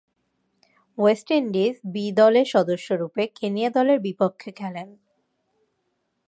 West Indies বি-দলের সদস্যরূপে Kenya দলের বিপক্ষে খেলেন।